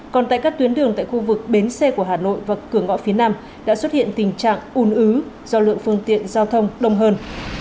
còn tại các tuyến đường tại khu vực bến xe của hà nội và cửa ngõ phía nam đã xuất hiện tình trạng ủn ứ do lượng phương tiện giao thông đông hơn